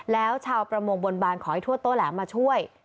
แล้วชาวประมงบนบานขอให้ทั่วโต้แหลมมาช่วย